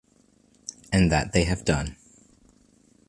And that they have done.